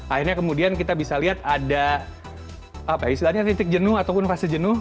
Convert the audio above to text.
akhirnya kemudian kita bisa lihat ada istilahnya titik jenuh ataupun fase jenuh